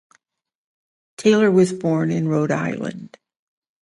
Taylor was born in Rhode Island.